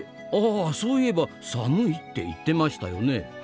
ああそういえば寒いって言ってましたよねえ。